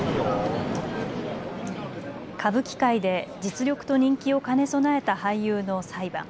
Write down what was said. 歌舞伎界で実力と人気を兼ね備えた俳優の裁判。